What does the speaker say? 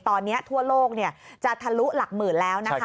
ตอนนี้ทั่วโลกจะทะลุหลักหมื่นแล้วนะคะ